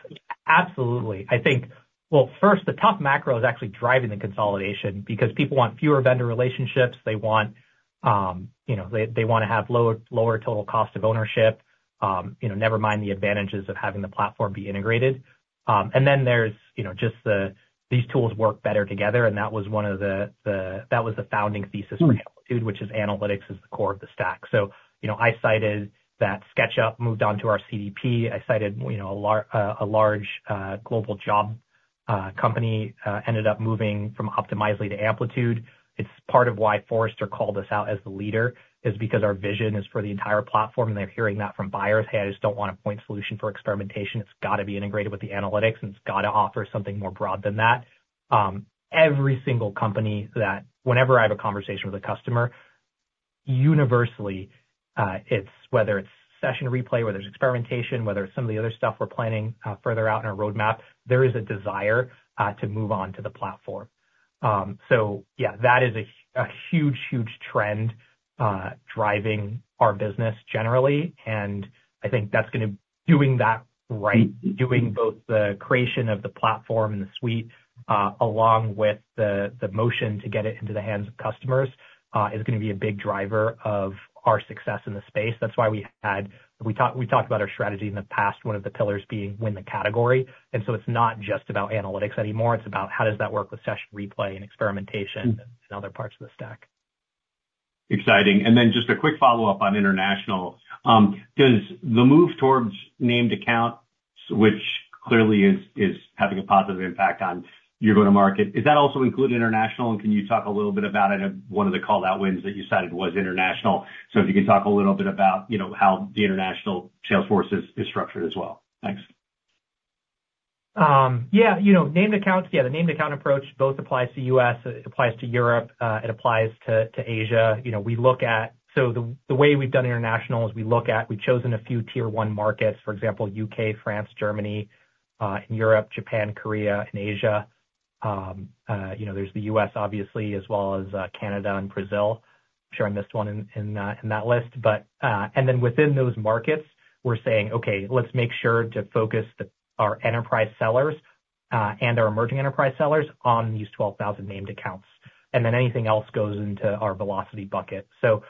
absolutely. I think, well, first, the tough macro is actually driving the consolidation because people want fewer vendor relationships. They want, you know, they wanna have lower total cost of ownership, you know, never mind the advantages of having the platform be integrated. And then there's, you know, just the, these tools work better together, and that was one of the, that was the founding thesis for Amplitude, which is analytics is the core of the stack. So, you know, I cited that SketchUp, moved on to our CDP. I cited, you know, a large, global job, company, ended up moving from Optimizely to Amplitude. It's part of why Forrester called us out as the leader, is because our vision is for the entire platform, and I'm hearing that from buyers: "Hey, I just don't want a point solution for experimentation. It's got to be integrated with the analytics, and it's got to offer something more broad than that." Every single company that— whenever I have a conversation with a customer, universally, it's whether it's Session Replay, whether it's experimentation, whether it's some of the other stuff we're planning further out in our roadmap, there is a desire to move on to the platform. So yeah, that is a huge, huge trend driving our business generally, and I think that's gonna... Doing that right, doing both the creation of the platform and the suite, along with the motion to get it into the hands of customers, is gonna be a big driver of our success in the space. That's why we talked about our strategy in the past, one of the pillars being win the category. And so it's not just about analytics anymore, it's about how does that work with Session Replay and experimentation and other parts of the stack. Exciting. And then just a quick follow-up on international. Does the move towards named accounts, which clearly is having a positive impact on your go-to-market, does that also include international, and can you talk a little bit about it? One of the call-out wins that you cited was international. So if you could talk a little bit about, you know, how the international sales force is structured as well. Thanks. Yeah, you know, named accounts. Yeah, the named account approach both applies to U.S., it applies to Europe, it applies to Asia. You know, we look at, so the way we've done international is we look at, we've chosen a few tier one markets, for example, U.K., France, Germany in Europe, Japan, Korea, and Asia. You know, there's the U.S. obviously, as well as Canada and Brazil. I'm sure I missed one in that list. But, and then within those markets, we're saying, "Okay, let's make sure to focus our enterprise sellers and our emerging enterprise sellers on these 12,000 named accounts." And then anything else goes into our velocity bucket. So,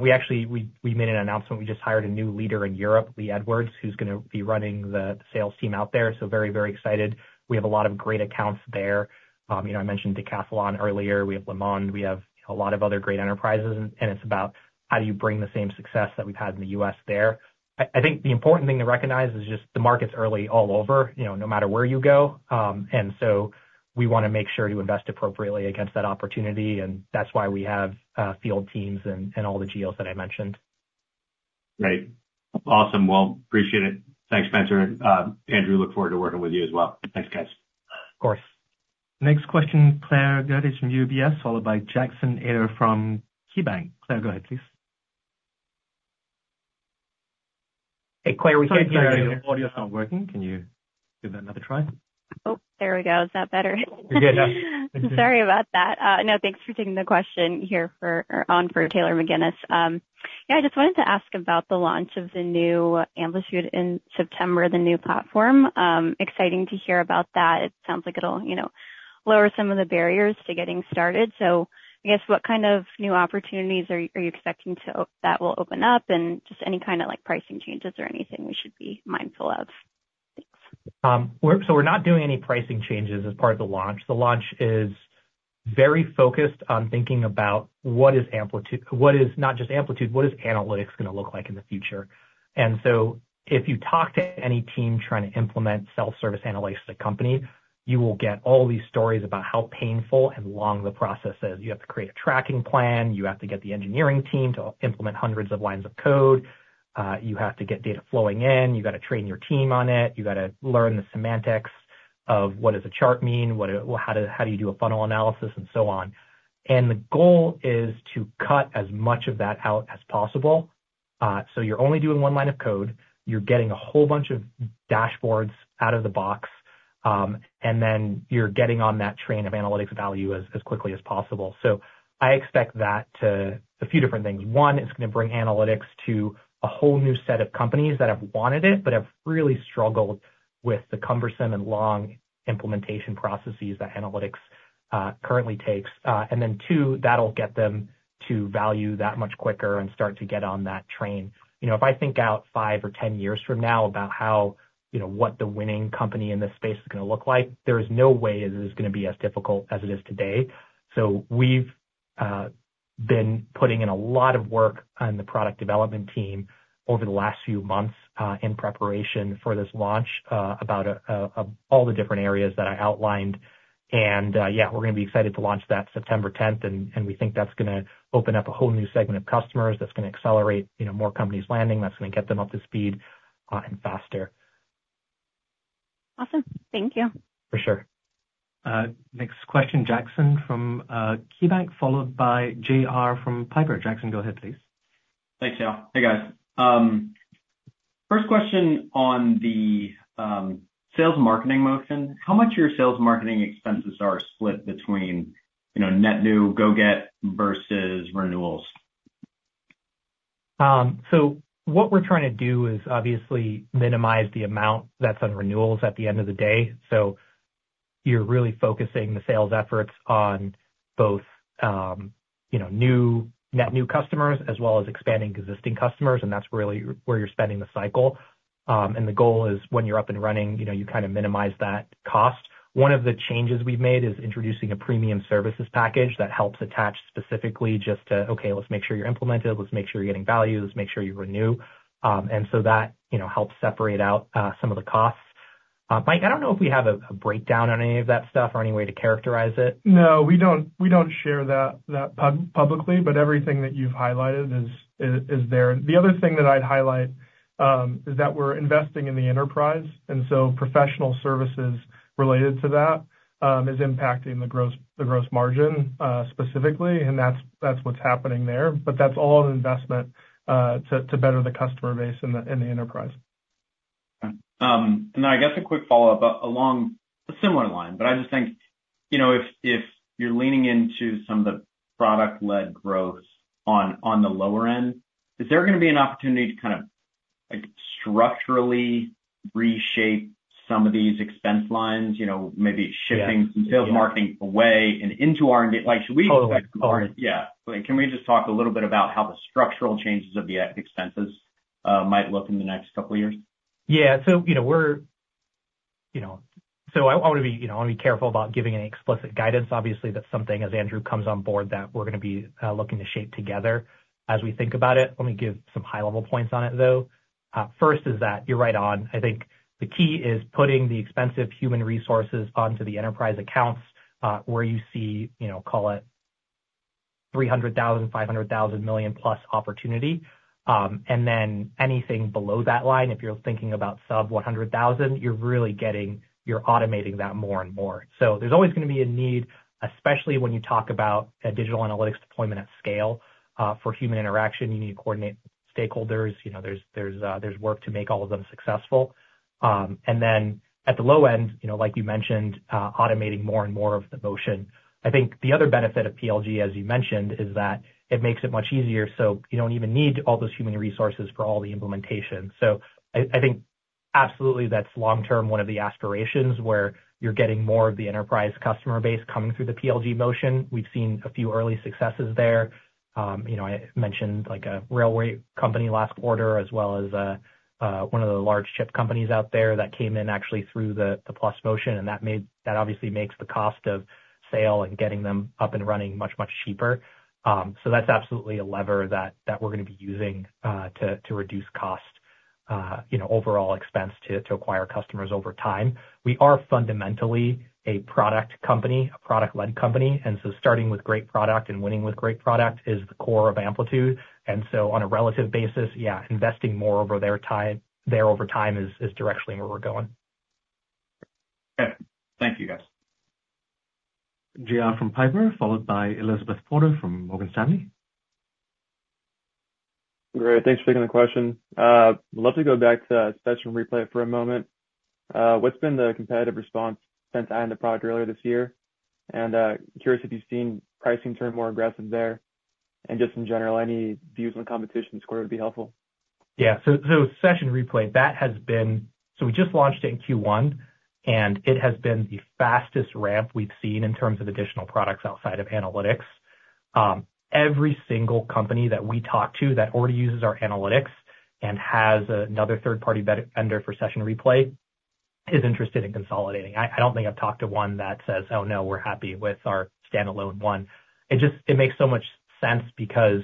we actually made an announcement. We just hired a new leader in Europe, Lee Edwards, who's gonna be running the sales team out there. So very, very excited. We have a lot of great accounts there. You know, I mentioned Decathlon earlier. We have Le Monde, we have a lot of other great enterprises, and it's about how do you bring the same success that we've had in the U.S. there? I think the important thing to recognize is just the market's early all over, you know, no matter where you go. And so we wanna make sure to invest appropriately against that opportunity, and that's why we have field teams and all the geos that I mentioned. Great. Awesome. Well, appreciate it. Thanks, Spenser. Andrew, look forward to working with you as well. Thanks, guys. Of course. Next question, Claire Gerdes from UBS, followed by Jackson Ader from KeyBanc. Claire, go ahead, please. Hey, Claire, we can't hear you. Sorry, Claire, your audio's not working. Can you give that another try? Oh, there we go. Is that better? Yeah, now. Sorry about that. No, thanks for taking the question here for, or on for Taylor McGinnis. Yeah, I just wanted to ask about the launch of the new Amplitude in September, the new platform. Exciting to hear about that. It sounds like it'll, you know, lower some of the barriers to getting started. So I guess, what kind of new opportunities are you expecting that will open up? And just any kind of, like, pricing changes or anything we should be mindful of? Thanks. So we're not doing any pricing changes as part of the launch. The launch is very focused on thinking about what is Amplitude... what is, not just Amplitude, what is analytics gonna look like in the future? So if you talk to any team trying to implement self-service analytics at a company, you will get all these stories about how painful and long the process is. You have to create a tracking plan, you have to get the engineering team to implement hundreds of lines of code, you have to get data flowing in, you gotta train your team on it, you gotta learn the semantics of what does a chart mean, how do you do a funnel analysis, and so on. The goal is to cut as much of that out as possible. So you're only doing one line of code, you're getting a whole bunch of dashboards out of the box, and then you're getting on that train of analytics value as quickly as possible. So I expect that to a few different things. One, it's gonna bring analytics to a whole new set of companies that have wanted it, but have really struggled with the cumbersome and long implementation processes that analytics currently takes. And then two, that'll get them to value that much quicker and start to get on that train. You know, if I think out five or 10 years from now about how, you know, what the winning company in this space is gonna look like, there is no way it is gonna be as difficult as it is today. We've been putting in a lot of work on the product development team over the last few months in preparation for this launch about all the different areas that I outlined. Yeah, we're gonna be excited to launch that September 10th, and we think that's gonna open up a whole new segment of customers, that's gonna accelerate, you know, more companies landing, that's gonna get them up to speed and faster. Awesome. Thank you. For sure. Next question, Jackson from KeyBanc, followed by [J.R.] from Piper Sandler. Jackson, go ahead, please. Thanks, Yao. Hey, guys. First question on the sales marketing motion. How much of your sales marketing expenses are split between, you know, net new go-get versus renewals? So what we're trying to do is obviously minimize the amount that's on renewals at the end of the day. So you're really focusing the sales efforts on both, you know, net new customers, as well as expanding existing customers, and that's really where you're spending the cycle. And the goal is when you're up and running, you know, you kind of minimize that cost. One of the changes we've made is introducing a premium services package that helps attach specifically just to, okay, let's make sure you're implemented, let's make sure you're getting value, let's make sure you renew. And so that, you know, helps separate out some of the costs. Mike, I don't know if we have a breakdown on any of that stuff or any way to characterize it. No, we don't, we don't share that, that publicly, but everything that you've highlighted is there. The other thing that I'd highlight is that we're investing in the enterprise, and so professional services related to that is impacting the gross margin specifically, and that's what's happening there. But that's all an investment to better the customer base in the enterprise. And then I guess a quick follow-up, along a similar line, but I just think, you know, if you're leaning into some of the product-led growth on the lower end, is there gonna be an opportunity to kind of, like, structurally reshape some of these expense lines? You know, maybe shifting some sales marketing away and into R&D, like, should we expect more- Totally. Yeah. Can we just talk a little bit about how the structural changes of the expenses might look in the next couple of years? Yeah. So, you know, we're, you know. So I wanna be, you know, I wanna be careful about giving any explicit guidance. Obviously, that's something, as Andrew comes on board, that we're gonna be looking to shape together as we think about it. Let me give some high-level points on it, though. First is that you're right on. I think the key is putting the expensive human resources onto the enterprise accounts, where you see, you know, call it $300,000, $500,000, $1 million-plus opportunity. And then anything below that line, if you're thinking about sub-$100,000, you're really getting, you're automating that more and more. So there's always gonna be a need, especially when you talk about a digital analytics deployment at scale, for human interaction, you need to coordinate stakeholders. You know, there's work to make all of them successful. Then at the low end, you know, like you mentioned, automating more and more of the motion. I think the other benefit of PLG, as you mentioned, is that it makes it much easier, so you don't even need all those human resources for all the implementation. So I think absolutely that's long-term, one of the aspirations, where you're getting more of the enterprise customer base coming through the PLG motion. We've seen a few early successes there. You know, I mentioned, like, a railway company last quarter, as well as one of the large chip companies out there that came in actually through the Plus motion, and that obviously makes the cost of sale and getting them up and running much, much cheaper. So that's absolutely a lever that we're gonna be using to reduce cost, you know, overall expense to acquire customers over time. We are fundamentally a product company, a product-led company, and so starting with great product and winning with great product is the core of Amplitude. And so on a relative basis, yeah, investing more over their time, there over time is directionally where we're going. Okay, thank you, guys. [J.R.] from Piper, followed by Elizabeth Porter from Morgan Stanley. Great. Thanks for taking the question. I'd love to go back to Session Replay for a moment. What's been the competitive response since adding the product earlier this year? Curious if you've seen pricing turn more aggressive there. Just in general, any views on the competition this quarter would be helpful. Yeah, so Session Replay, that has been... so we just launched it in Q1, and it has been the fastest ramp we've seen in terms of additional products outside of analytics. Every single company that we talk to that already uses our analytics and has another third-party vendor for Session Replay, is interested in consolidating. I don't think I've talked to one that says, "Oh, no, we're happy with our standalone one." It just, it makes so much sense because,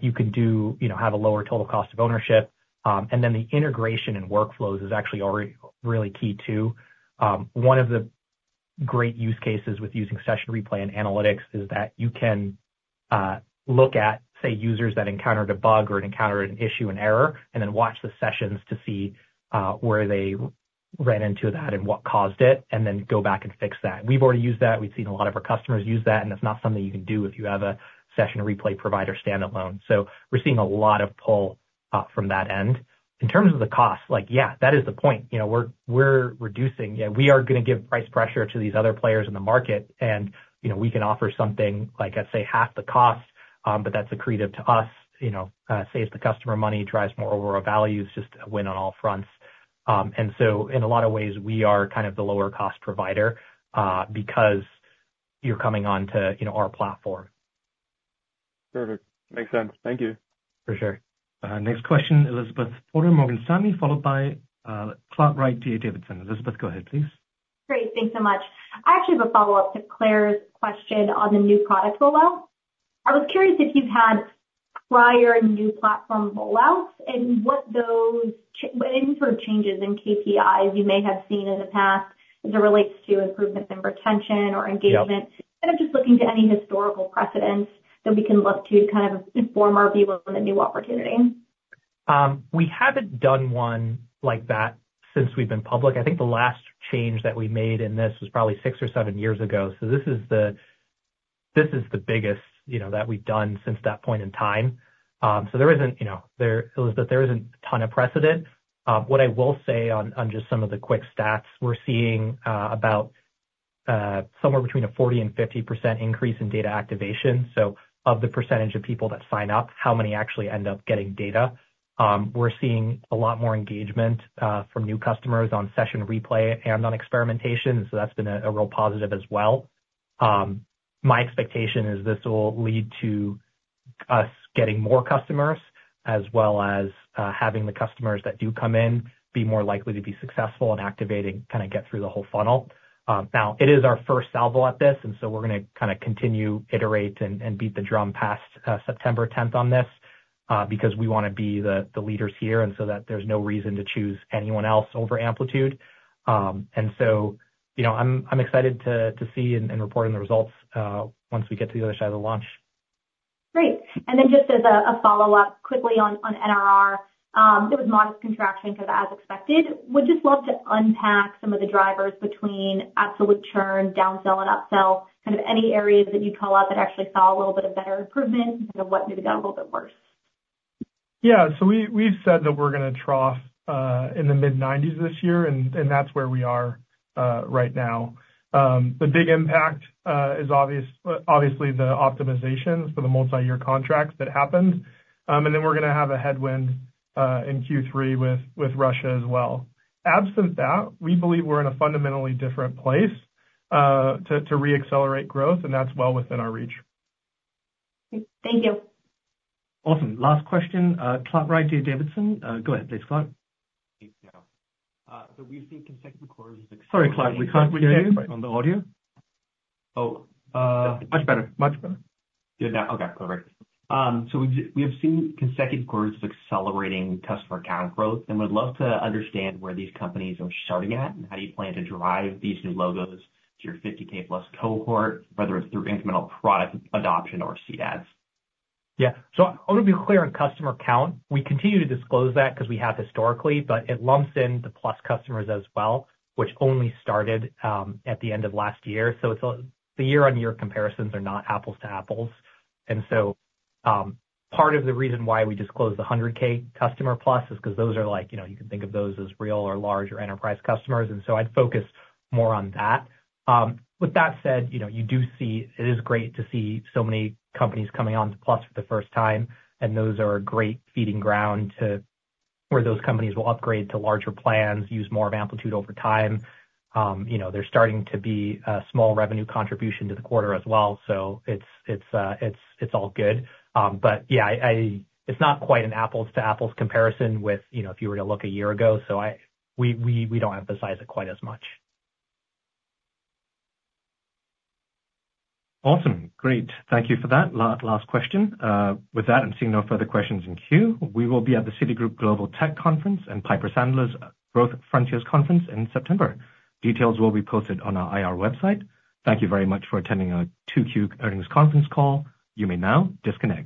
you can do, you know, have a lower total cost of ownership, and then the integration and workflows is actually already really key, too. One of the great use cases with using Session Replay and analytics is that you can look at, say, users that encountered a bug or encountered an issue, an error, and then watch the sessions to see where they ran into that and what caused it, and then go back and fix that. We've already used that. We've seen a lot of our customers use that, and it's not something you can do if you have a Session Replay provider standalone. So we're seeing a lot of pull from that end. In terms of the cost, like, yeah, that is the point. You know, we're reducing... yeah, we are gonna give price pressure to these other players in the market, and, you know, we can offer something, like, I say, half the cost, but that's accretive to us. You know, saves the customer money, drives more overall value. It's just a win on all fronts. And so in a lot of ways, we are kind of the lower-cost provider, because you're coming on to, you know, our platform. Perfect. Makes sense. Thank you. For sure. Next question, Elizabeth Porter, Morgan Stanley, followed by Clark Wright, D.A. Davidson. Elizabeth, go ahead, please. Great. Thanks so much. I actually have a follow-up to Claire's question on the new product rollout. I was curious if you've had prior new platform rollouts, and what those any sort of changes in KPIs you may have seen in the past as it relates to improvements in retention or engagement? Kind of just looking to any historical precedents that we can look to kind of inform our view on the new opportunity. We haven't done one like that since we've been public. I think the last change that we made in this was probably six or seven years ago. So this is the biggest, you know, that we've done since that point in time. So there isn't, you know, there, Elizabeth, there isn't a ton of precedent. What I will say on, on just some of the quick stats, we're seeing about somewhere between a 40% and 50% increase in data activation. So of the percentage of people that sign up, how many actually end up getting data? We're seeing a lot more engagement from new customers on Session Replay and on experimentation, so that's been a real positive as well. My expectation is this will lead to us getting more customers, as well as having the customers that do come in be more likely to be successful in activating, kind of get through the whole funnel. Now, it is our first salvo at this, and so we're gonna kind of continue, iterate, and beat the drum past September 10th on this, because we wanna be the leaders here, and so that there's no reason to choose anyone else over Amplitude. And so, you know, I'm excited to see and reporting the results once we get to the other side of the launch. Great. And then just as a follow-up quickly on NRR, it was modest contraction, kind of as expected. Would just love to unpack some of the drivers between absolute churn, downsell and upsell, kind of any areas that you call out that actually saw a little bit of better improvement and what maybe got a little bit worse? Yeah. So we've said that we're gonna trough in the mid-90s this year, and that's where we are right now. The big impact is obviously the optimizations for the multiyear contracts that happened. And then we're gonna have a headwind in Q3 with Russia as well. Absent that, we believe we're in a fundamentally different place to reaccelerate growth, and that's well within our reach. Thank you. Awesome. Last question. Clark Wright, D.A. Davidson. Go ahead, please, Clark. Yeah. So we've seen consecutive quarters- Sorry, Clark, we can't hear you on the audio. Oh, uh- Much better. Much better. Yeah, now, okay, perfect. So we've seen consecutive quarters of accelerating customer count growth, and would love to understand where these companies are starting at and how you plan to drive these new logos to your 50K+ cohort, whether it's through incremental product adoption or seed ads. Yeah. So I want to be clear on customer count. We continue to disclose that because we have historically, but it lumps in the Plus customers as well, which only started at the end of last year. So the year-on-year comparisons are not apples to apples. And so, part of the reason why we disclose the 100K customer Plus is because those are like, you know, you can think of those as real or large or enterprise customers, and so I'd focus more on that. With that said, you know, you do see, it is great to see so many companies coming on to Plus for the first time, and those are a great feeding ground to where those companies will upgrade to larger plans, use more of Amplitude over time. You know, they're starting to be a small revenue contribution to the quarter as well, so it's all good. But, yeah, it's not quite an apples to apples comparison with, you know, if you were to look a year ago, so we don't emphasize it quite as much. Awesome. Great. Thank you for that last question. With that, I'm seeing no further questions in queue. We will be at the Citigroup Global Tech Conference and Piper Sandler's Growth Frontiers conference in September. Details will be posted on our IR website. Thank you very much for attending our 2Q earnings conference call. You may now disconnect.